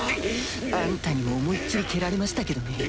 あんたにも思いっ切り蹴られましたけどね